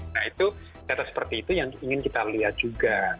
nah itu kata seperti itu yang ingin kita lihat juga